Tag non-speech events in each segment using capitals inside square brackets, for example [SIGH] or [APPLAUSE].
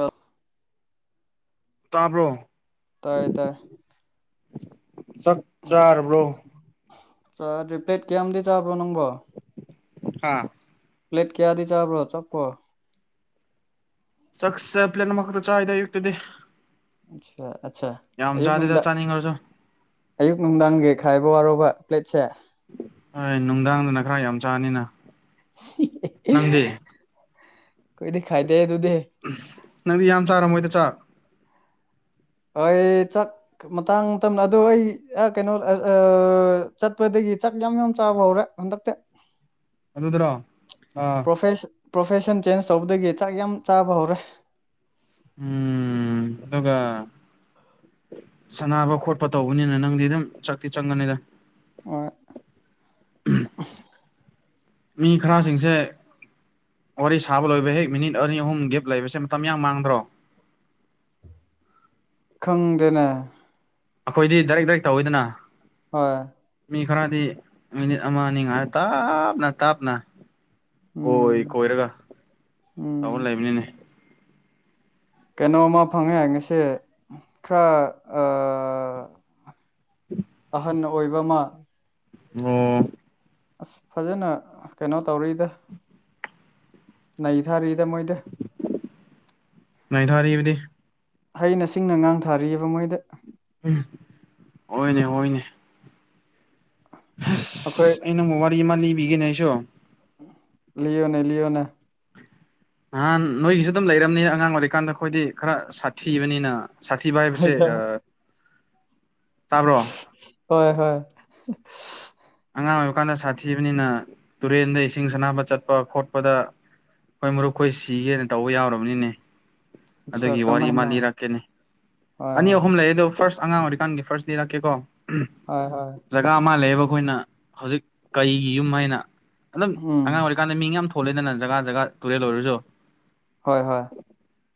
ꯑꯥ ꯇꯥꯕ꯭ꯔꯣ ꯇꯥꯏꯌꯦ ꯇꯥꯏꯌꯦ ꯆꯠ ꯆꯥꯕ꯭ꯔꯣ ꯔꯤꯄ꯭ꯂꯦꯠ ꯀꯌꯥꯗꯤ ꯆꯥꯕꯣ ꯅꯪꯕꯣ ꯍꯥꯥ ꯄ꯭ꯂꯦꯠ ꯀꯌꯥꯗꯤ ꯆꯥꯕ꯭ꯔꯣ ꯆꯞꯄꯣ ꯁꯛꯁ ꯄ꯭ꯂꯂꯦꯝꯅ ꯃꯛꯇ ꯆꯥꯍꯤꯗ ꯌꯛꯇꯗꯤ ꯑ ꯑꯆꯥ ꯑꯌꯨ ꯅꯨꯡ ꯆꯥꯅꯤꯡꯉꯁꯨ ꯑꯌꯨꯛ ꯅꯨꯡꯗꯥꯡꯒ ꯈꯥꯏ ꯑꯔꯕ ꯄ꯭ꯂꯦꯠꯁꯦ ꯍꯣꯏ ꯅꯨꯡꯗꯥꯡꯗꯅ ꯈꯔ ꯌꯥꯝ ꯆꯥꯅꯤꯅ ꯅꯪꯗꯤ ꯀꯣꯏꯗꯤ ꯈꯥꯏꯗꯦ ꯑꯗꯨꯗꯤ ꯅꯪꯗꯤ ꯌꯥꯝ ꯆꯥꯔꯝꯃꯣꯏꯗ ꯆꯥ ꯍꯣꯏ ꯆ ꯃꯇꯥꯡ ꯑꯗꯨ ꯑꯩ ꯀꯩꯅꯣ ꯑ ꯆꯠꯄꯗꯒꯤ ꯆꯥꯛ ꯌꯥꯝ ꯌꯥꯝ ꯆꯥꯕ ꯍꯧꯔꯦ ꯍꯟꯗꯛꯇꯤ ꯑꯗꯨꯗ꯭ꯔꯣ ꯑꯥ ꯄ꯭ꯔꯣꯐꯦꯁ ꯄ꯭ꯔꯣꯐꯦꯁꯟ ꯆꯦꯟꯖ ꯇꯧꯕꯗꯒꯤ ꯆꯥꯛ ꯌꯥꯝ ꯆꯥꯕ ꯍꯧꯔꯦ ꯎꯝ ꯑꯗꯨꯒꯒ ꯁꯥꯟꯅꯕ ꯈꯣꯠꯄ ꯇꯧꯕꯅꯤꯅ ꯅꯪꯗꯤ ꯑꯗꯨꯝ ꯆꯛꯇꯤ ꯆꯪꯒꯅꯤꯗ ꯍꯣꯏ ꯃꯤ ꯈꯔꯁꯤꯡꯁꯦ ꯋꯥꯔꯤ ꯁꯥꯕ ꯂꯣꯏꯕ ꯍꯦꯛ ꯃꯤꯅꯤꯠ ꯑꯅꯤ ꯑꯍꯨꯝ ꯒꯦꯞ ꯂꯩꯕꯁꯦ ꯃꯇꯝ ꯌꯥꯝ ꯃꯥꯡꯗ꯭ꯔꯣ ꯎ ꯈꯪꯗꯅ ꯑꯩꯈꯣꯏꯗꯤ ꯗꯥꯏꯔꯦꯛ ꯗꯥꯏꯔꯦꯛ ꯇꯧꯋꯤꯗꯅ ꯍꯣꯏ ꯃꯤ ꯈꯔꯗꯤ ꯃꯤꯅꯤꯠ ꯑꯃ ꯑꯅꯤ ꯉꯥꯏ ꯇꯥꯞꯅ ꯇꯥꯞꯅ ꯎꯝ ꯀꯣꯏ ꯀꯣꯏꯔꯒ ꯎꯝ ꯇꯥꯅ ꯂꯩꯕꯅꯤꯅꯦ ꯀꯩꯅꯣꯝꯃ ꯐꯪꯉꯦ ꯉꯁꯤꯦ ꯈꯔ ꯑꯍꯟ ꯑꯣꯏꯕ ꯑꯃ ꯑꯣ ꯑꯁ ꯐꯖꯅ ꯀꯩꯅꯣ ꯇꯧꯔꯤꯗ ꯅꯩ ꯊꯥꯔꯤꯗ ꯃꯣꯏꯗ ꯉ ꯊꯥꯔꯔꯤꯕꯗꯤ ꯍꯩꯅ ꯁꯤꯡꯅ ꯉꯥꯡ ꯊꯥꯔꯤꯑꯕ ꯃꯣꯏꯗ ꯎ ꯍꯣꯏꯅꯦ ꯍꯣꯏꯅꯦ ꯑꯩꯈꯣꯏ ꯑꯁ ꯑꯩ ꯅ ꯑꯃ ꯋꯥꯔꯤ ꯑꯃ ꯂꯤꯕꯤꯒꯦꯅꯦ ꯑꯩꯁꯨ ꯂꯑꯣꯅꯦ ꯂꯑꯣꯅꯦ ꯅꯍꯥꯟ ꯅꯣꯏꯒꯤꯁꯨ ꯑꯗꯨꯝ ꯂꯩꯔꯝꯅꯤ ꯑꯉꯥꯡ ꯑꯣꯏꯔꯤꯀꯥꯟꯗ ꯑꯩꯈꯣꯏꯗꯤ ꯈꯔ ꯁꯥꯊꯤꯕꯅꯤꯅ ꯁꯥꯊꯤꯕ ꯍꯥꯏꯕꯁꯦ ꯍꯣꯏꯗ ꯇꯥꯕ꯭ꯔꯣ ꯍꯣꯏ ꯍꯣꯏ ꯑꯉꯥꯡ ꯑꯣꯏꯕ ꯀꯥꯟꯗ ꯁꯥꯊꯤꯕꯅꯤꯅ ꯇꯨꯔꯦꯟꯗ ꯏꯁꯤꯡ ꯁꯅꯥꯕ ꯆꯠꯄ ꯈꯣꯠꯄꯗ ꯍꯣꯏ ꯃꯔꯨꯞꯈꯣꯏ ꯁꯤꯒꯦꯅ ꯇꯧꯕ ꯌꯥꯎꯔꯕꯅꯤꯅꯦ ꯑꯆꯥ ꯑꯗꯨꯒꯤ ꯋꯥꯔꯤ ꯑꯃ ꯀꯔꯝꯍꯥꯏꯅ ꯂꯤꯔꯛꯀꯅꯤ ꯍꯣꯏ ꯑꯅꯤ ꯍꯣꯏ ꯑꯍꯨꯝ ꯂꯩ ꯑꯗꯨꯗꯣ ꯐꯥꯔꯁ ꯑ ꯑꯉꯥꯡ ꯑꯣꯏꯔꯤꯀꯥꯟꯒꯤ ꯐꯥꯔꯁ ꯗꯦ ꯂꯥꯛꯀꯦꯀꯣ ꯍꯣꯏ ꯍꯣꯏ ꯖꯒꯥ ꯑꯃ ꯂꯩꯌꯦꯕ ꯑꯩꯈꯣꯏꯅ ꯍꯧꯖꯤꯛ ꯀꯩꯒꯤ ꯌꯨꯝ ꯍꯥꯏꯅ ꯑꯗꯨꯝ ꯎꯝ ꯑꯉꯥꯡ ꯑꯣꯏꯔꯤꯀꯥꯟꯗ ꯃꯤ ꯌꯥꯝ ꯍꯣꯠꯂꯦꯗꯅ ꯖꯒꯥ ꯖꯒꯥ ꯇꯨꯔꯦꯜ ꯑꯣꯏꯔꯁꯨ ꯍꯣꯏ ꯍꯣꯏ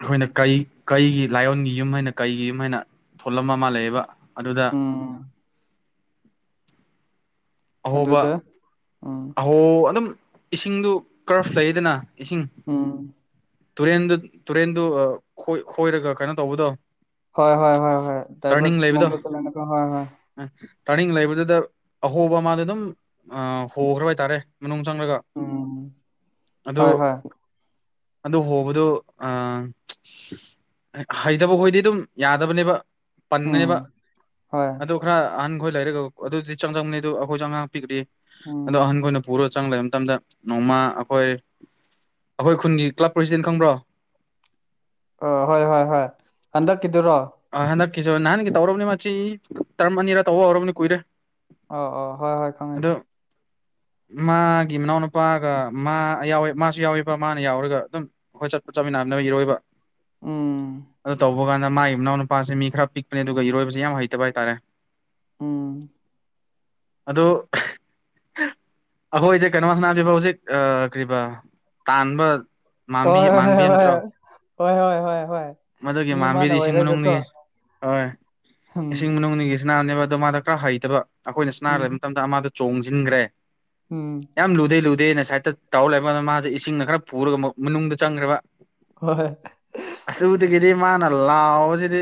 ꯑꯩꯈꯣꯏꯅ ꯀꯩ ꯀꯩꯒꯤ ꯂꯥꯏꯌꯣꯟꯒꯤ ꯌꯨꯝ ꯍꯥꯏꯅ ꯀꯩꯒꯤ ꯌꯨꯝ ꯍꯥꯏꯅ ꯊꯣꯂꯝꯕ ꯑꯃ ꯂꯩꯌꯦꯕ ꯑꯗꯨꯗ ꯎꯝ ꯑꯍꯣꯕ ꯑꯗꯨꯗ ꯎꯝ ꯑꯍꯣ ꯑꯗꯨꯝ ꯏꯁꯤꯡꯗꯨ ꯀꯔꯐ ꯂꯩꯗꯅ ꯑꯥ ꯇꯨꯔꯦꯟꯗꯨ ꯇꯨꯔꯦꯟꯗꯨ ꯈꯣꯏꯔꯒ ꯀꯩꯅꯣ ꯇꯧꯕꯗꯣ ꯍ ꯍꯣꯏ ꯍ ꯍꯣꯏ ꯗ꯭ꯔꯥꯏꯚꯔ ꯇꯔꯅꯤꯡ ꯃꯪꯒꯣ ꯆꯂꯅꯀ ꯍꯣꯏ ꯍ ꯇꯥꯅꯤꯡ ꯂꯩꯕꯗꯨꯗ ꯑꯍꯣꯕ ꯑꯃꯗ ꯑꯗꯨꯝ ꯍꯣꯈ꯭ꯔꯕ ꯍꯥꯏꯇꯥꯔꯦ ꯃꯅꯨꯡ ꯆꯪꯂꯒ ꯎꯝ ꯑꯗꯨ ꯍꯣꯏ ꯍꯣꯏ ꯑꯗꯨ ꯍꯣꯕꯗꯨ ꯑ ꯍꯩꯇꯕ ꯍꯣꯏꯗꯤ ꯑꯗꯨꯝ ꯌꯥꯗꯕꯅꯦꯕ ꯎꯝ ꯄꯟꯅꯅꯕ ꯍꯣꯏ ꯑꯗꯨ ꯈꯔ ꯑꯍꯟꯈꯣꯏ ꯂꯩꯔꯒ ꯑꯗꯨꯗꯤ ꯆꯪꯖꯕꯅꯤ ꯑꯗꯨ ꯑꯩꯈꯣꯏꯁꯨ ꯑꯉꯥꯡ ꯄꯤꯛ꯭ꯔꯤ ꯑꯗꯣ ꯑꯍꯈ ꯎꯝ ꯑꯣꯏꯅ ꯄꯨꯔ ꯆꯪ ꯂꯩ ꯃꯇꯝꯗ ꯅꯣꯡꯃ ꯑꯩꯈꯣꯏ ꯑꯩꯈꯣꯏ ꯈꯨꯟꯒꯤ ꯀ꯭ꯂꯕ ꯄ꯭ꯔꯁꯤꯗꯦꯟ ꯈꯪꯕ꯭ꯔꯣ ꯑ ꯍꯣꯏ ꯍꯣꯏ ꯍꯣꯏ ꯍꯟꯗꯛꯀꯤꯗꯨꯔꯣ ꯀꯁꯨ ꯅꯍꯥꯟꯒꯤ ꯇꯧꯔꯕꯅꯤ ꯃꯁꯤꯆ ꯇꯔꯝ ꯑꯅꯤꯔ ꯇꯧꯕ ꯍꯧꯔꯕꯅꯤ ꯀꯨꯏꯔꯦ ꯑꯣ ꯑꯣ ꯍꯣꯏ ꯍꯣꯏ ꯈꯪꯉꯦ ꯑꯗꯣ [INAUDIBLE] ꯃꯥꯒꯤ ꯃꯅꯥꯎꯅꯨꯄꯥꯒ ꯃꯥ ꯌꯥꯎꯋ ꯃꯥꯁꯨ ꯌꯥꯎꯋꯦꯕ ꯃꯥꯅ ꯌꯥꯎꯔꯒ ꯑꯗꯨꯝ ꯑꯩꯈꯣꯏ ꯆꯠꯄ ꯆꯠꯃꯤꯟꯅ ꯔꯣꯏꯕ ꯎꯝ ꯍꯄ ꯀꯥꯟꯗꯒꯤ ꯏꯅꯥꯎ ꯅꯨꯄꯥꯁ ꯃꯤ ꯈꯔ ꯄꯤꯛꯄꯅꯦ ꯑꯗꯨꯒ ꯏꯔꯣꯏꯕꯁꯤ ꯌꯥꯝ ꯍꯩꯇꯕ ꯍꯥꯏꯇꯥꯔꯦ ꯑꯝ ꯑꯗꯣ ꯑꯩꯈꯣꯏꯁꯦ ꯀꯩꯅꯣꯃꯁꯅꯥꯁꯤꯕ ꯍꯧꯖꯤꯛ ꯀꯔꯤꯕ ꯇꯥꯟꯕ ꯃꯝꯕꯤ ꯍꯣꯏ ꯍꯣꯏ ꯍꯣꯏ ꯃꯥꯟꯕꯤ ꯍꯣꯏ ꯅꯠꯇ꯭ꯔꯣ ꯍꯣꯏ ꯍꯣꯏ ꯍꯣꯏ ꯍꯣꯏ ꯃꯗꯨꯒꯤ ꯃꯤ ꯑꯃꯅ ꯃꯝꯕꯤꯗꯤ ꯏꯁꯤꯡ ꯑꯣꯏꯔꯒꯀꯣ ꯃꯅꯨꯡꯒꯤ ꯍꯣꯏ ꯎꯝ ꯏꯁꯤꯡ ꯃꯅꯨꯡ ꯅꯥꯅꯦꯕ ꯑꯣ ꯃꯥꯗ ꯈꯔ ꯍꯩꯇꯕ ꯑꯩꯈꯣꯏꯅ ꯆꯅꯥ ꯎꯝ ꯂꯩꯕ ꯃꯇꯝꯗ ꯃꯥꯗ ꯆꯣꯡꯁꯤꯟꯈ꯭ꯔꯦ ꯎꯝ ꯌꯥꯝꯝ ꯂꯨꯗꯦ ꯂꯨꯗꯦ ꯑꯦ ꯅ ꯁꯥꯏꯠꯇ ꯇꯥꯎꯔ ꯂꯩꯕꯗ ꯃꯥꯁꯦ ꯏꯁꯤꯡꯅ ꯈꯔ ꯄꯨꯔꯒ ꯃꯅꯨꯡꯗ ꯆꯪꯈ꯭ꯔꯦꯕ ꯍ ꯍꯣꯏ ꯍꯥꯏꯗꯤ ꯃꯥꯅ ꯂꯥꯎꯕꯁꯤꯗꯤ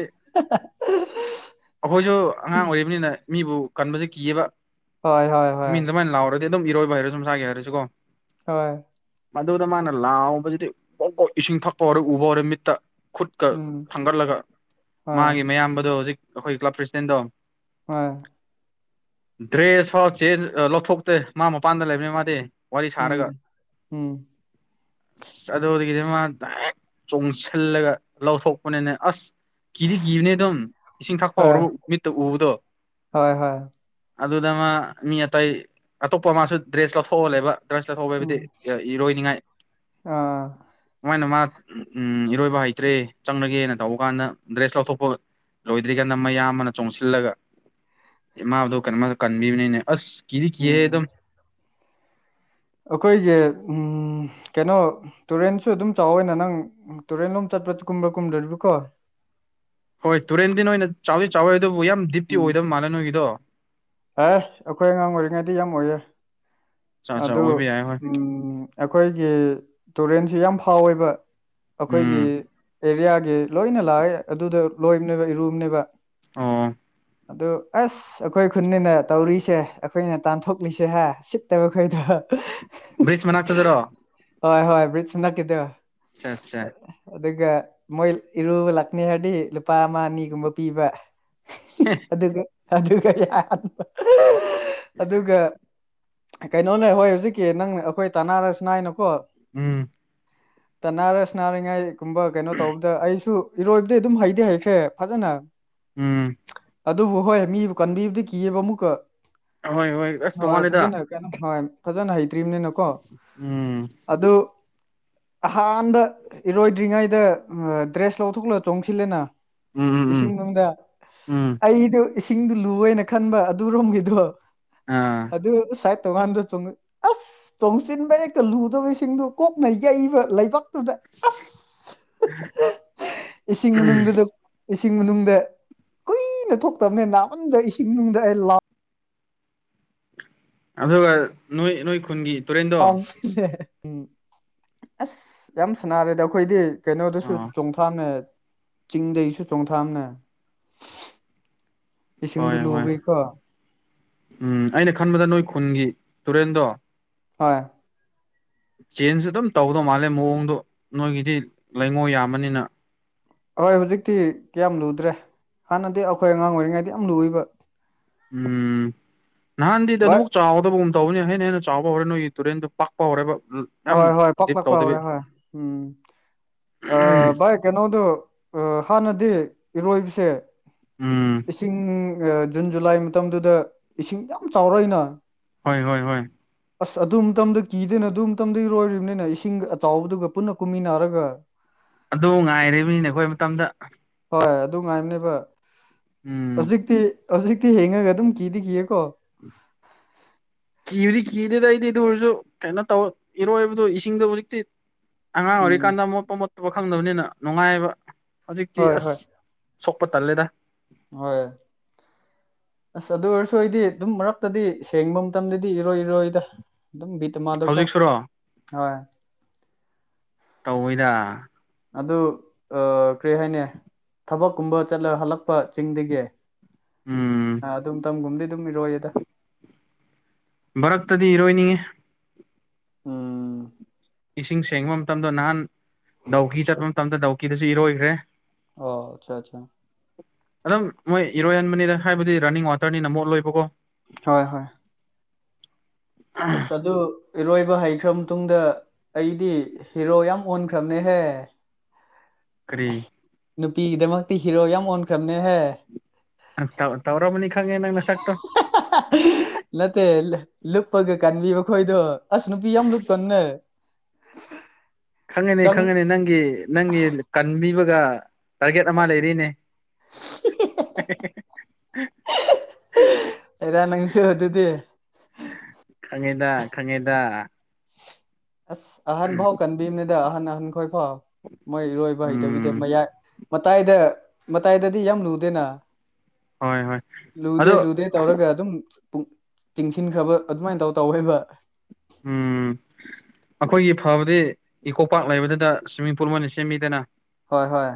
ꯑꯩꯈꯣꯏꯁꯨ ꯑꯉꯥꯡ ꯑꯣꯏꯔꯤꯕꯅꯤꯅ ꯃꯤꯕꯨ ꯀꯟꯕꯁꯦ ꯀꯤꯑꯕ ꯍꯣꯏ ꯍꯣꯏ ꯍꯣꯏ ꯍꯔꯗꯤ ꯑꯗꯨꯝ ꯏꯔꯣꯏꯕ ꯍꯥꯏꯔꯣ ꯁꯨꯝ ꯁ ꯁꯥꯒꯦ ꯍꯥꯏꯔꯁꯤꯀꯣ ꯍꯣꯏ ꯃꯗꯨꯗ ꯃꯥꯅ ꯂꯥꯎꯕꯕꯁꯤꯗꯤ ꯣꯛ ꯀꯣꯛ ꯏꯁꯤꯡ ꯊꯛꯄ ꯍꯧꯔ ꯎꯕ ꯍꯧꯔꯦ ꯃꯤꯠꯇ ꯈꯨꯠꯀ ꯎꯝ ꯊꯥꯡꯒꯠꯂꯒ ꯍꯣꯏ ꯃꯥꯒꯤ ꯃꯌꯥꯝꯕꯗꯣ ꯍꯧꯖꯤꯛ ꯑꯩꯈꯣꯏ ꯀ꯭ꯂꯕ ꯄ꯭ꯔꯁꯤꯗꯦꯟꯗꯣ ꯑꯣꯏ ꯗ꯭ꯔꯦꯁ ꯐꯥꯎ ꯆꯦꯟ ꯂꯧꯊꯣꯛꯇ꯭ꯔꯦ ꯃꯥ ꯃꯄꯥꯟꯗ ꯂꯩꯕꯅꯤ ꯃꯥꯗꯤ ꯋꯥꯔꯤ ꯁꯥꯔꯒ ꯎꯝ ꯎꯝ ꯑꯁ ꯑꯗꯨꯗꯒꯤꯗꯤ ꯃꯥ ꯗꯥꯏꯔꯦꯛ ꯆꯣꯡꯁꯤꯜꯂꯒ ꯂꯧꯊꯣꯛꯄꯅꯤꯅꯦ ꯑꯁ ꯀꯤꯗꯤ ꯀꯤꯕꯅꯦ ꯑꯗꯨꯝ ꯏꯁꯤꯡ ꯊꯛꯄ ꯍꯣꯏ ꯍꯧꯔꯔꯕ ꯃꯤꯠꯇ ꯎꯕꯗꯣ ꯍꯣꯏ ꯍꯣꯏ ꯑꯗꯨꯗ ꯃꯥ ꯃꯤ ꯑꯇꯩ ꯑꯇꯣꯞꯄ ꯃꯥꯁꯨ ꯗ꯭ꯔꯦꯁ ꯂꯧꯊꯣꯛꯍꯜꯂꯦꯕ ꯗ꯭ꯔꯁ ꯆ ꯊꯧꯕ ꯍꯥꯏꯕꯨꯗꯤ ꯎꯝ ꯏꯔꯣꯏꯅꯤꯉꯥꯏ ꯑꯥ ꯑꯗꯨꯃꯥꯏꯅ ꯃꯥ ꯎꯝ ꯎꯝ ꯏꯔꯣꯏꯕ ꯍꯩꯇ꯭ꯔꯦ ꯆꯪꯂꯒꯦꯅ ꯇꯧꯕ ꯀꯥꯟꯗ ꯗ꯭ꯔꯦꯁ ꯂꯧꯊꯣꯛꯄ ꯂꯣꯏꯗ꯭ꯔꯤ ꯀꯥꯟꯗ ꯃꯌꯥꯝꯕꯅ ꯆꯣꯡꯁꯤꯜꯂꯒ ꯏꯃꯥꯗ ꯀꯩꯅꯣꯃ ꯀꯟꯕꯤꯕꯅꯤꯅꯦ ꯑꯁ ꯀꯗꯤ ꯀꯍꯦ ꯑꯗꯨꯝ ꯎꯝ ꯑꯩꯈꯣꯏꯒꯤ ꯀꯩꯅꯣ ꯇꯨꯔꯦꯟꯁꯨ ꯑꯗꯨꯝ ꯆꯥꯎꯋꯏꯅ ꯅꯪ ꯇꯨꯔꯦꯟ ꯂꯣꯝ ꯆ ꯣ ꯀꯨꯝꯕ꯭ꯔ ꯀꯨꯝꯔꯕꯤꯀꯣ ꯍꯣꯏ ꯇꯨꯔꯦꯟꯗꯤꯤꯟ ꯑꯣꯏꯣꯏ ꯆꯥ ꯆꯥꯋ ꯗꯤꯞꯇꯤ ꯎꯝ ꯑꯣꯏꯗꯕ ꯃꯜꯂꯦ ꯅꯣꯏꯒꯤꯗꯣ ꯑꯦ ꯑꯩꯈꯣꯏ ꯑꯉꯥꯡ ꯑꯣꯏꯔꯤꯉꯩꯗꯤ ꯌꯥꯝ ꯑꯣꯏꯌꯦꯦ ꯆꯥ ꯆꯥ ꯑꯗꯨ ꯑꯣꯏꯕ ꯌꯥꯏ ꯍꯣꯏ ꯎ ꯑꯩꯈꯣꯏꯒꯤ ꯇꯨꯔꯦꯟꯁꯤ ꯌꯥꯝ ꯊꯥꯎ ꯑꯣꯏꯕ ꯑꯩꯈꯣꯏꯒꯤ ꯎꯝ ꯑꯦꯔꯤꯌꯥ ꯂꯣꯏꯅ ꯂꯥꯛꯑꯦ ꯑꯗꯨꯗ ꯂꯣꯏꯕꯅꯦꯕ ꯏꯔꯨꯕꯅꯦꯕ ꯑꯣ ꯑꯗꯨ ꯑꯁ ꯑꯩꯈꯣꯏ ꯈꯨꯟꯅ ꯇꯧꯔꯤꯁꯦ ꯑꯩꯈꯣꯏꯅ ꯇꯥꯟꯊꯣꯛꯂꯤꯁꯦ ꯍꯥꯏ ꯁꯤꯠꯇꯕ ꯑꯩꯈꯣꯏꯗ ꯕ꯭ꯔꯤꯖ ꯃꯅꯥꯛꯇꯗꯔꯣ ꯍꯣꯏ ꯍꯣꯏ ꯕ꯭ꯔꯤꯖꯁꯨ ꯅꯛꯈꯤꯗꯕ ꯑ ꯑꯠꯆꯥ ꯑꯗꯨꯒ ꯃꯣꯏ ꯏꯔꯨꯕ ꯂꯥꯛꯅꯤ ꯍꯥꯏꯔꯗꯤ ꯂꯨꯄꯥ ꯑꯃ ꯑꯅꯤꯒꯨꯝꯕ ꯄꯤꯕ ꯑꯗꯨ ꯑꯗꯨꯒ ꯌꯥ ꯑꯗꯨꯒ ꯀꯩꯅꯣꯅꯦ ꯍꯣꯏ ꯍꯧꯖꯤꯛꯀꯤ ꯅꯪ ꯑꯩꯈꯣꯏ ꯇꯥꯟꯅꯔꯁꯨ ꯅꯥꯏꯅꯀꯣ ꯎꯝ ꯇꯅꯥꯔꯁꯅꯥꯔꯤꯉꯥꯏꯒꯨꯝꯕ ꯀꯩꯅꯣ ꯇꯧꯕꯗ ꯑꯩꯁꯨ ꯏꯔꯣꯏꯕꯗꯤ ꯑꯗꯨꯝ ꯍꯩꯗꯤ ꯍꯩꯈ꯭ꯔꯦ ꯐꯖꯅ ꯎꯝ ꯑꯗꯨꯕꯨ ꯍꯣꯏ ꯃꯤꯕꯨ ꯀꯟꯕꯤꯕꯗꯤ ꯀꯤꯑꯕ ꯑꯃꯨꯛꯀ ꯍꯣꯏ ꯑꯁ ꯍꯣꯏ ꯇꯣꯡꯉꯥꯜꯂꯦꯗ ꯐꯖꯅ ꯀꯩꯅꯣ ꯍꯣꯏ ꯐꯖꯅ ꯍꯩꯇ꯭ꯔꯤꯕꯝꯅꯤꯅꯀꯣ ꯎꯝ ꯑꯗꯨ ꯑꯍꯥꯟꯗ ꯏꯔꯣꯏꯗ꯭ꯔꯤꯉꯩꯗ ꯗ꯭ꯔꯦꯁ ꯂꯧꯊꯣꯛꯂ ꯆꯣꯡꯁꯤꯜꯂꯦꯅ ꯎꯝ ꯎꯝ ꯎꯝ ꯏꯁꯤꯡ ꯅꯨꯡꯗ ꯎꯝ ꯑꯩꯗꯨ ꯏꯁꯤꯡꯗꯨ ꯂꯨꯦꯅ ꯈꯟꯕ ꯑꯗꯨꯔꯣꯝꯒꯤꯗꯣ ꯑꯥ ꯑꯗꯨ ꯁꯥꯏꯠ ꯇꯣꯉꯥꯟꯗ ꯑꯁ ꯆꯣꯡꯁꯤꯟꯕ ꯍꯦꯛꯇ ꯂꯨꯗꯕꯁꯤꯡꯗꯨꯣ ꯀꯣꯛꯅ ꯌꯛꯩꯕ ꯂꯩꯕꯛ ꯑꯗꯨꯗ ꯑꯁ ꯏꯁꯤꯡ ꯃꯅꯨꯡꯗꯨꯗ ꯏꯁꯤꯡ ꯃꯅꯨꯡꯗ ꯀꯨꯏꯅ ꯊꯣꯛꯇꯕꯅꯤ ꯅꯥꯑꯟꯗ ꯏꯁꯤꯡ ꯃꯅꯨꯡꯗ ꯑꯩ ꯂꯥꯎ ꯑꯗꯨꯒ ꯅꯣꯏ ꯅꯣꯏ ꯈꯨꯟꯒꯤ ꯇꯨꯔꯦꯟꯗꯣ ꯥꯎ ꯎꯝ ꯑꯁ ꯌꯥꯝ ꯁꯅꯔꯦꯗ ꯑꯩꯈꯣꯏꯗꯤ ꯀꯩꯅꯣꯗꯁꯨ ꯑꯥ ꯆꯣꯡꯊꯥꯝꯅꯦ ꯆꯤꯡꯗꯩꯁꯨ ꯆꯣꯡꯊꯥꯝꯅꯦ ꯍꯣꯏ ꯏꯁꯤꯡꯗꯨ ꯍꯣꯏ ꯂꯨꯕꯩꯀꯣ ꯎꯝ ꯑꯩꯅ ꯈꯟꯕꯗ ꯅꯣꯏ ꯈꯨꯟꯒꯤ ꯇꯨꯔꯦꯟꯗꯣ ꯍꯣꯏ ꯆꯦꯟꯖ ꯑꯗꯨꯝ ꯇꯧꯗꯧ ꯃꯥꯜꯂꯦ ꯃꯑꯣꯡꯗꯣ ꯅꯣꯏꯒꯤꯗꯤ ꯂꯩꯉꯣ ꯌꯥꯝꯕꯅꯤꯅ ꯍꯣꯏ ꯍꯧꯖꯤꯛꯇꯤ ꯀꯌꯥꯝ ꯂꯨꯗ꯭ꯔꯦ ꯍꯥꯟꯅꯗꯤ ꯑꯩꯈꯣꯏ ꯑꯉꯥꯡ ꯑꯣꯏꯔꯤꯉꯩꯗ ꯌꯥꯝ ꯂꯨꯏꯕ ꯎꯝ ꯅꯍꯥꯟꯗꯤꯗꯤ ꯚꯥꯏ ꯑꯗꯨꯐ ꯆꯥꯎꯒꯗꯕꯒꯨꯝ ꯇꯧꯅꯤ ꯍꯦ ꯍꯦ ꯆꯥꯎꯕ ꯍꯧꯔꯦ ꯅꯣꯏꯒꯤ ꯇꯨꯔꯦꯟꯗꯨꯣ ꯄꯥꯛꯄ ꯍꯧꯔꯦꯕ ꯌꯥꯝ ꯍꯣꯏ ꯍꯣꯏ ꯗꯤꯞ ꯄꯥꯛꯂꯥꯛꯄ ꯇꯧꯗꯕꯤ ꯍꯧꯔꯦ ꯍꯣꯏ ꯎꯝ ꯚꯥꯏ ꯀꯩꯅꯣꯗꯨ ꯍꯥꯟꯅꯗꯤ ꯏꯔꯣꯏꯕꯁꯦ ꯎꯝ ꯏꯁꯤꯡ ꯖꯨꯟ ꯖꯨꯂꯥꯏ ꯃꯇꯝꯗꯨꯗ ꯏꯁꯤꯡ ꯌꯥꯝ ꯆꯥꯎꯔꯛꯏꯅ ꯍꯣꯏ ꯍꯣꯏ ꯍꯣꯏ ꯑꯁ ꯑꯗꯨ ꯃꯇꯝꯗ ꯀꯤꯗꯣꯏꯅ ꯑꯗꯨ ꯃꯇꯝꯗꯔꯣꯏꯔꯤꯕꯅꯤꯅ ꯏꯁꯤꯡꯒ ꯑꯆꯥꯎꯕꯗꯨꯒ ꯄꯨꯟꯅ ꯀꯨꯝꯃꯤꯟꯅꯔꯒ ꯑꯗꯨ ꯉꯥꯏꯔꯤꯕꯅꯤꯅꯦ ꯑꯩꯈꯣꯏ ꯃꯇꯝꯗ ꯍꯣꯏ ꯑꯗꯨ ꯉꯥꯏꯕꯅꯦꯕ ꯎꯝ ꯍꯧꯖꯤꯛꯇꯤ ꯍꯧꯖꯤꯛꯇꯤ ꯍꯦꯡꯉꯒ ꯑꯗꯨꯝ ꯀꯤꯗꯤ ꯀꯤꯌꯦꯀꯣ ꯀꯤꯕꯗꯤ ꯀꯤꯗꯦꯗ ꯑꯩꯗꯤ ꯑꯗꯨ ꯑꯣꯏꯔꯁꯨ ꯀꯩꯅꯣ ꯇꯧ ꯏꯔꯣꯏꯕꯗ ꯏꯁꯤꯡꯗꯣ ꯍꯧꯖꯤꯛꯇꯤ ꯑꯉꯥꯡ ꯎꯝ ꯑꯣꯏꯔꯤꯀꯥꯟꯗ ꯃꯣꯠꯄ ꯃꯣꯠꯠꯇꯕ ꯈꯪꯗꯕꯅꯤꯅ ꯅꯨꯡꯉꯥꯏꯕ ꯍꯧꯖꯤꯛꯇꯤ ꯍꯣꯏ ꯑꯁ ꯍꯣꯏ ꯁꯣꯛꯄ ꯇꯜꯂꯦꯗ ꯍꯣꯏ ꯑꯁ ꯑꯗꯨ ꯑꯣꯏꯔꯁꯨ ꯑꯩꯗꯤ ꯑꯗꯨꯝ ꯃꯔꯛꯇꯗꯤ ꯁꯦꯡꯕ ꯃꯇꯝꯗꯗꯤ ꯏꯔꯣꯏ ꯏꯔꯣꯏꯗ ꯑꯗꯨꯝ ꯕꯤꯠꯇ ꯃꯥꯗꯀꯣ ꯍꯧꯖꯤꯛꯁꯨꯔꯣ ꯍꯣꯏ ꯇꯧꯣꯏꯗ ꯑꯗꯨ ꯀꯔꯤ ꯍꯥꯏꯅꯤ ꯊꯕꯛꯀꯨꯝꯕ ꯆꯠꯂ ꯍꯜꯂꯛꯄ ꯆꯤꯡꯗꯒꯤ ꯎꯝ ꯑꯗꯨꯝ ꯃꯇꯝꯝꯒꯨꯝꯗꯤ ꯑꯗꯨꯝ ꯏꯔꯣꯏꯌꯦꯗ ꯚꯛꯇꯗꯤ ꯏꯔꯣꯏꯅꯤꯡꯉꯤ ꯎꯝ ꯏꯁꯤꯡ ꯁꯦꯡꯕ ꯃꯇꯝꯗ ꯅꯍꯥꯟ ꯗꯥꯎꯀꯤ ꯆꯠꯄ ꯃꯇꯝꯗ ꯗꯥꯎꯀꯤꯗꯁꯨ ꯏꯔꯣꯏꯈ꯭ꯔꯦ ꯑ ꯑꯆꯥ ꯑꯆꯥ ꯟꯕꯅꯤꯅ ꯍꯥꯏꯕꯗꯤ ꯔꯟꯅꯤꯡ ꯋꯥꯇꯔꯅꯤꯅ ꯃꯣꯠ ꯂꯣꯏꯕꯀꯣ ꯍꯣꯏ ꯍꯣꯏ ꯑꯁ ꯑꯗꯨ ꯏꯔꯣꯏꯕ ꯍꯩꯈ꯭ꯔ ꯃꯇꯨꯡꯗ ꯑꯩꯗꯤ ꯍꯤꯔꯣ ꯌꯥꯝ ꯑꯣꯟꯈ꯭ꯔꯕꯅꯦꯍꯦ ꯀꯔꯤ ꯅꯨꯄꯤꯒꯤꯗꯃꯛꯇꯤ ꯍꯤꯔꯣ ꯌꯥꯝ ꯑꯣꯟꯈ꯭ꯔꯕꯅꯦꯍꯦ ꯇꯧ ꯇꯧ꯭ꯔꯣꯕꯨꯅꯤ ꯈꯪꯦ ꯅꯪ ꯅꯁꯥꯛꯇꯣ ꯅꯠꯇ ꯂꯨꯨꯞꯄꯒ ꯀꯥꯟꯕꯤꯕ ꯈꯣꯏꯗꯣ ꯑꯁ ꯅꯨꯄꯤ ꯌꯥꯝ ꯂꯨꯞ ꯀꯟꯅ ꯈꯪꯉꯅꯤ ꯈꯪꯉꯅꯤ ꯅꯪꯒꯤ ꯅꯪꯒꯤ ꯀꯟꯕꯤꯕꯒ ꯇꯥꯔꯒꯦꯠ ꯑꯃ ꯂꯩꯔꯤꯅꯦ ꯑꯦꯔꯥ ꯅꯪꯁꯨ ꯑꯗꯨꯗꯤ [UNINTELLIGIBLE] ꯈꯉꯦꯗ ꯈꯪꯉꯦꯗ ꯑꯁ ꯑꯍꯟ ꯐꯥꯎ ꯀꯟꯕꯤꯅꯤꯗ ꯑꯍꯟ ꯑꯍꯟꯈꯣꯏ ꯐꯥꯎ ꯃꯣꯏ ꯏꯔꯣꯏꯕ ꯍꯩꯇꯕꯤꯗ ꯎꯝ ꯃꯌꯥꯏ ꯃꯇꯥꯏꯗ ꯃꯇꯥꯏꯗꯗꯤ ꯌꯥꯝ ꯂꯨꯗꯦꯅ ꯍꯣꯏ ꯍꯣꯏ ꯂꯨꯗꯦ ꯑꯗꯣ ꯂꯨꯗꯦ ꯇꯧꯔꯒ ꯑꯗꯨꯝ ꯇꯤꯡꯁꯤꯟꯈ꯭ꯔꯕ ꯑꯗꯨꯃꯥꯏꯅ ꯇꯧ ꯇꯧꯋ ꯍꯥꯏꯕ ꯎꯝ ꯑꯩꯈꯣꯏꯒꯤ ꯐꯕꯗꯤ ꯏꯀꯣ ꯄꯥꯛꯔ ꯂꯩꯕꯗꯨꯗ ꯁ꯭ꯋꯤꯝꯃꯤꯡ ꯄꯨꯜ ꯑꯃ ꯑꯣꯏꯅ ꯁꯦꯝꯃꯤꯗꯅ ꯍꯣꯏ ꯍꯣꯏ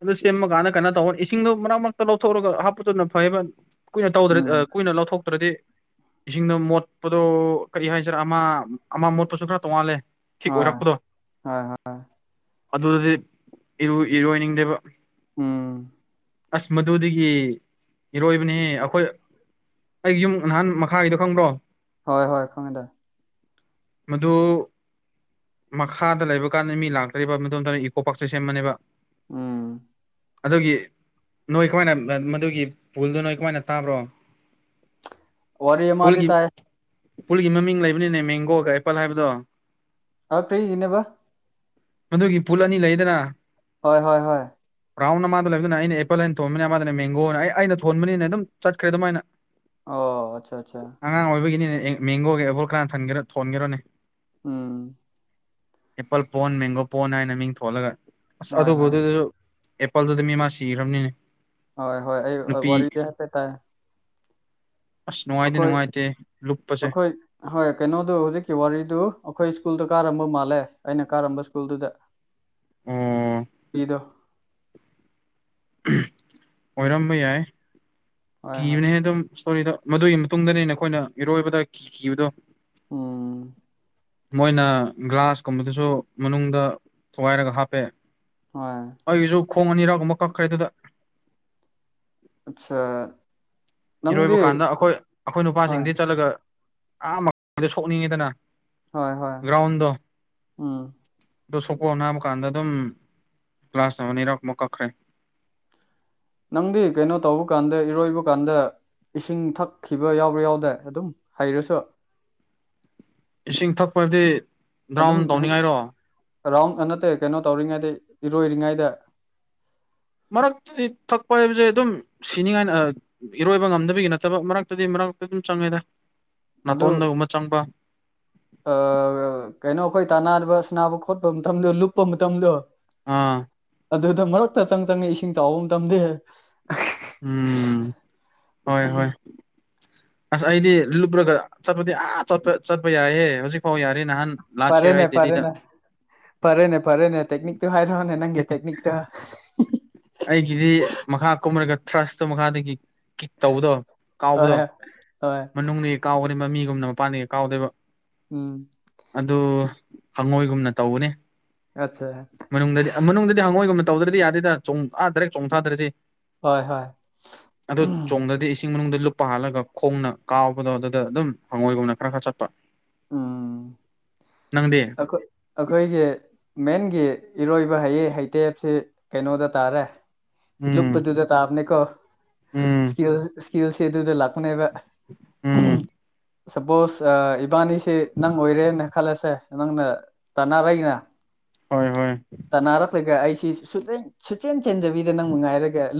ꯑꯗꯨ ꯁꯦꯝꯃꯀꯥꯟꯗ ꯀꯩꯅꯣ ꯇꯧꯍꯅꯤ ꯏꯁꯤꯡꯗꯣ ꯃꯔꯛ ꯃꯔꯛꯇ ꯂꯧꯊꯣꯛꯑꯒ ꯍꯥꯞꯄꯗꯨꯅ ꯐꯩꯕ ꯀꯨꯏꯅ ꯇꯧꯗ꯭ꯔꯗꯤ ꯎꯝ ꯀꯨꯏꯅ ꯂꯧꯊꯣꯛꯇ꯭ꯔꯗꯤ ꯏꯁꯤꯡꯗꯣ ꯃꯣꯠꯄꯗꯣ ꯀꯔꯤ ꯍꯥꯏꯁꯤꯔꯥ ꯑꯃ ꯑꯃ ꯃꯣꯠꯄꯁꯨ ꯈꯔ ꯇꯣꯡꯉꯥꯜꯂꯦ ꯊꯤꯛ ꯍꯣꯏ ꯑꯣꯏꯔꯛꯄꯗꯣ ꯍꯣꯏ ꯍꯣꯏ ꯑꯗꯨꯗꯗꯤ ꯏꯔꯣꯏꯅꯤꯡꯗꯦꯕ ꯎꯝ ꯑꯁ ꯃꯗꯨꯗꯒꯤ ꯏꯔꯣꯏꯕꯅꯤ ꯑꯩꯈꯣꯏ ꯑꯩ ꯌꯨꯝ ꯅꯍꯥꯟ ꯃꯈꯥꯒꯤꯗꯣ ꯈꯪꯕ꯭ꯔꯣ ꯍꯣꯏ ꯍꯣꯏ ꯈꯪꯗꯥꯥꯏ ꯃꯗꯨ ꯃꯈꯥꯗ ꯂꯩꯕ ꯀꯥꯟꯗ ꯃꯤ ꯂꯥꯛꯇ꯭ꯔꯤꯕ ꯃꯣꯝꯇ ꯏꯀꯣ ꯄꯥꯔꯛꯁꯦ ꯁꯦꯝꯃꯅꯦꯕ ꯎꯝ ꯑꯗꯨꯒꯤ ꯅꯣꯏ ꯀꯃꯥꯏꯅ ꯃꯗꯨꯒꯤ ꯄꯨꯜꯗꯨ ꯅꯣꯏ ꯀꯃꯥꯏꯅ ꯇꯥꯕ꯭ꯔꯣ ꯑꯣꯔ ꯌ ꯃꯥꯗꯤ ꯇꯥꯏ ꯎ ꯄꯨꯨꯜꯒꯤ ꯃꯃꯤꯡ ꯂꯩꯕꯅꯤꯅꯦ ꯃꯦꯡꯒꯣꯒ ꯑꯦꯄꯜ ꯍꯥꯏꯕꯗꯣ ꯍꯄ꯭ꯔꯤ ꯏꯅꯦꯕ ꯃꯗꯨꯒꯤ ꯄꯨꯜ ꯑꯅꯤ ꯂꯩꯗꯅ ꯍꯣꯏ ꯍꯣꯏ ꯍꯣꯏ ꯔꯥꯎꯟ ꯑꯃꯗ ꯂꯩꯕꯗꯨꯅ ꯑꯩꯅ ꯑꯦꯄꯜ ꯍꯥꯏꯩꯅ ꯊꯣꯟꯕꯅꯤ ꯑꯃꯗꯅꯦ ꯃꯦꯡꯒꯣꯅ ꯑꯩ ꯑꯩꯅ ꯊꯣꯟꯕꯅꯤꯅ ꯑꯗꯨꯝ ꯆꯠꯈ꯭ꯔꯦ ꯑꯗꯨꯃꯥꯏꯅ ꯑꯣ ꯑꯆꯥ ꯑꯆꯥ ꯃꯦꯡꯒꯣꯒꯕꯜ ꯀꯅꯥꯅ ꯊ ꯊꯣꯟꯒꯦꯔꯅꯦ ꯎꯝ ꯑꯦꯄꯜ ꯄꯣꯟ ꯃꯦꯡꯒꯣ ꯄꯣꯟ ꯍꯥꯏꯅ ꯃꯤꯡ ꯊꯣꯂꯒ ꯑꯁ ꯍꯣꯏ ꯑꯗꯨꯕꯨ ꯍꯣꯏ ꯑꯗꯨꯁꯨ ꯑꯦꯄꯜꯗꯨꯗꯤ ꯃꯤꯃꯥ ꯁꯤꯈ꯭ꯔꯕꯅꯤꯅꯦ ꯍꯣꯏ ꯍꯣꯏ ꯑꯩ ꯅꯨꯄꯤ ꯋꯥꯔꯤꯔꯗꯤ ꯍꯥ ꯄꯦ ꯇꯥꯏ ꯑꯁ ꯅꯨꯡꯉꯥꯏꯇꯦ ꯑꯩꯈꯣꯏ ꯅꯨꯡꯉꯥꯏꯇꯦ ꯂꯨꯞꯄꯁꯦ ꯑꯩꯈꯣꯏ ꯍꯣꯏ ꯀꯩꯅꯣꯗꯨ ꯍꯧꯖꯤꯛꯀꯤ ꯋꯥꯔꯤꯗꯨ ꯑꯩꯈꯣꯏ ꯁ꯭ꯀꯨꯜꯗ ꯀꯥꯔꯝꯕ ꯃꯥꯜꯂꯦ ꯑꯩꯅ ꯀꯥꯔꯝꯕ ꯁ꯭ꯀꯨꯜꯗꯨꯗ ꯑꯣ ꯀꯗ ꯑꯣꯏꯔꯝꯕ ꯌꯥꯏ ꯍꯣꯏ ꯍꯣꯏ ꯀꯤꯕꯅꯦꯍ ꯑꯗꯨꯝ ꯏꯁꯇꯣꯔꯤꯗ ꯃꯗꯨꯒꯤ ꯃꯇꯨꯡꯗꯅꯤ ꯅ ꯑꯩꯈꯣꯏꯅ ꯏꯔꯣꯏꯕꯗ ꯀꯤ ꯀꯤꯈꯤꯕꯗꯣ ꯎꯝ ꯃꯣꯏꯅ ꯒ꯭ꯂꯥꯁꯀꯨꯝꯕꯗꯨꯁꯨ ꯃꯅꯨꯡꯗ ꯊꯨꯒꯥꯏꯔꯒ ꯍꯥꯞꯄꯦ ꯑꯣꯏ ꯑꯩꯒꯤꯁꯨ ꯈꯣꯡ ꯑꯅꯤꯔꯥꯒꯨꯝꯕ ꯀꯛꯈ꯭ꯔꯦ ꯑꯗꯨꯗ ꯑꯆꯥ ꯏꯔꯣꯏꯕ ꯀꯥꯟꯗ ꯑꯩꯈꯣꯏ ꯑꯩꯈꯣꯏ ꯍꯣꯏ ꯅꯨꯄꯥꯁꯤꯡꯗꯤ ꯆꯠꯂꯒ ꯑꯥꯗ ꯁꯣꯛꯅꯤꯡꯉꯤꯗꯅ ꯍꯣꯏ ꯍꯣꯏ ꯎꯝ ꯑꯣ ꯁꯣꯛꯄꯣ ꯅꯥꯕ ꯀꯥꯟꯗ ꯑꯗꯨꯝ ꯀ꯭ꯂꯒꯥꯁ ꯑꯃ ꯑꯅꯤꯔꯛꯃꯨꯛ ꯀꯛꯈ꯭ꯔꯦ ꯅꯪꯗꯤ ꯀꯩꯅꯣ ꯇꯧꯕ ꯀꯥꯟꯗ ꯏꯔꯣꯏꯕ ꯀꯥꯟꯗ ꯏꯁꯤꯡ ꯊꯛꯈꯤꯕ ꯌꯥꯎꯕ꯭ꯔꯥ ꯌꯥꯎꯗꯦ ꯑꯗꯨꯝ ꯍꯩꯔꯁꯨ ꯏꯁꯤꯡ ꯊꯛꯄꯗꯤ ꯑꯗꯨꯝ ꯔꯥꯎ ꯅꯠꯇ ꯀꯩꯅꯣ ꯇꯧꯔꯤꯉꯩꯗ ꯏꯔꯣꯏꯔꯤꯉꯩꯗ ꯃꯔꯛꯇꯗꯤ ꯊꯛꯄ ꯍꯥꯏꯕꯁꯦ ꯑꯗꯨꯝ ꯁꯤꯅꯤꯉꯥꯏ ꯏꯔꯣꯏꯕ ꯉꯝꯗꯕꯒꯤ ꯅꯠꯇꯕ ꯃꯔꯛꯇꯗꯤ ꯃꯔꯛ ꯑꯗꯨꯝ ꯆꯪꯉꯦꯗ ꯑꯗꯨ ꯅꯥꯇꯣꯟꯗꯒꯨꯝꯕ ꯆꯪꯕ ꯀꯩꯅꯣ ꯑꯩꯈꯣꯏ ꯇꯥꯟꯅꯔꯤꯕ ꯁꯅꯥꯕꯨ ꯈꯣꯠꯄ ꯃꯇꯝꯗꯣ ꯂꯨꯞꯄ ꯃꯇꯝꯗꯣ ꯑꯥ ꯑꯗꯨꯗ ꯃꯔꯛꯇ ꯆꯪ ꯆꯪꯉꯦ ꯏꯁꯤꯡ ꯆꯥꯎꯕ ꯑꯃ ꯇꯝꯗꯦ ꯎꯝ ꯍꯣꯏ ꯍꯣꯏ ꯑꯁ ꯑꯩꯗꯤ ꯂꯨꯞꯨꯔꯒ ꯆꯠꯄꯗꯤ ꯑꯥ ꯆꯄ ꯆꯠꯄ ꯌꯥꯏꯍꯦ ꯍꯧꯖꯤꯛ ꯐꯥꯎ ꯌꯥꯔꯦ ꯅꯍꯥꯟ ꯂꯥꯁ ꯌꯔ ꯐꯔꯦꯅꯦ ꯑꯩ ꯗꯦꯜꯂꯤꯗ ꯐꯔꯦꯅꯦ ꯐꯔꯦꯅꯦ ꯐꯔꯦꯅꯦ ꯇꯦꯛꯅꯤꯛ ꯇ ꯍꯥꯏꯔꯣꯅꯦ ꯅꯪꯒꯦ ꯇꯦꯛꯦꯛꯅꯤꯛ ꯇ ꯑꯩꯒꯤꯗꯤ ꯃꯈꯥ ꯀꯨꯝꯃꯔꯒ ꯊ꯭ꯔꯁꯇꯨ ꯃꯈꯥꯗꯒꯤ ꯀꯤꯛ ꯇꯧꯕꯗꯣ ꯀꯥꯎꯕꯗꯣ ꯍꯣꯏ ꯍꯣꯏ ꯃꯅꯨꯡꯗ ꯀꯥꯎꯒꯅꯤ ꯃꯃꯤꯒꯨꯝꯅ ꯃꯄꯥꯟꯗꯒꯤ ꯍ ꯀꯥꯎꯗꯣꯏꯕ ꯎꯝ ꯑꯗꯨ ꯍꯪꯉꯣꯏꯒꯨꯝꯅ ꯇꯧꯕꯅꯦ ꯑꯠꯆꯥ ꯃꯅꯨꯡꯗꯗꯤ ꯃꯅꯨꯡꯗꯗꯤ ꯍꯪꯉꯣꯏꯒꯨꯝꯕ ꯇꯧꯗ꯭ꯔꯗꯤ ꯌꯥꯗꯦꯗ ꯆꯣꯡ ꯑꯥꯗ꯭ꯔꯦ ꯆꯣꯡꯊꯥꯗ꯭ꯔꯗꯤ ꯍꯣꯏ ꯍꯣꯏ ꯑꯗꯣ ꯆꯣꯡꯗ꯭ꯔꯗꯤ ꯏꯁꯤꯡ ꯃꯅꯨꯡꯗ ꯂ ꯄꯥꯍꯜꯂꯒ ꯈꯣꯡꯅ ꯀꯥꯎꯕꯗꯣ ꯑꯗꯨꯗ ꯑꯗꯨꯝ ꯍꯪꯉꯣꯏꯒꯨꯝꯅ ꯈꯔ ꯈꯔ ꯆꯠꯄ ꯑꯥ ꯅꯪꯗꯤ ꯑꯩꯈꯣꯏ ꯑꯩꯈꯣꯏꯁꯦ ꯃꯦꯟꯒꯤ ꯏꯔꯣꯏꯕ ꯍꯩ ꯍꯩꯇꯦꯞꯁꯤ ꯀꯩꯅꯣꯗ ꯇꯥꯔꯦ ꯎꯝ ꯂꯨꯞꯄꯗꯨꯗ ꯇꯥꯕꯅꯤꯀꯣ ꯎꯝ ꯏꯁꯀꯤꯜ ꯏꯁꯀꯤꯜꯁꯦ ꯑꯗꯨꯗ ꯂꯥꯛꯄꯅꯦꯕ ꯎꯝ ꯁꯄꯣꯁ ꯏꯕꯥꯅꯤꯁꯤ ꯅꯪ ꯑꯣꯏꯔꯦꯅ ꯈꯜꯂꯁꯦ ꯅꯃꯪꯅ ꯇꯥꯟꯅꯔꯏꯅ ꯍꯣꯏ ꯍꯣꯏ ꯁꯨꯆꯦꯟ ꯆꯦꯟꯗꯕꯤꯗ ꯅꯪ ꯉꯥꯏꯔꯒ